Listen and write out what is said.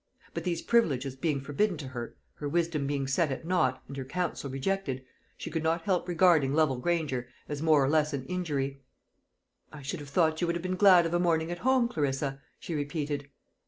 But these privileges being forbidden to her her wisdom being set at naught, and her counsel rejected she could not help regarding Lovel Granger as more or less an injury. "I should have thought you would have been glad of a morning at home, Clarissa," she repeated.